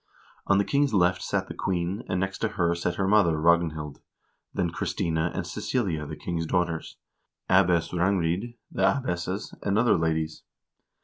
On the king's left sat the queen, and next to her sat her mother, Ragnhild, then Christina and Cecilia, the king's daughters, Abbess Rangrid, the abbesses, and other ladies.